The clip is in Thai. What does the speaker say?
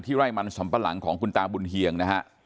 ไร่มันสำปะหลังของคุณตาบุญเฮียงนะฮะ